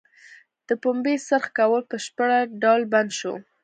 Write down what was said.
د پنبې څرخ کول په بشپړه ډول بند شو.